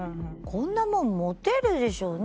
こんなもんモテるでしょうね